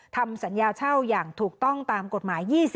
ทำสัญญาเช่าอย่างถูกต้องตามกฎหมาย